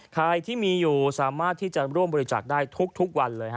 ใครที่มีอยู่สามารถที่จะร่วมบริจาคได้ทุกวันเลย